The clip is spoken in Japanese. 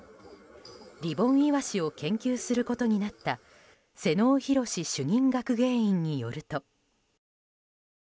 リボンイワシを研究することになった瀬能宏主任学芸員によると。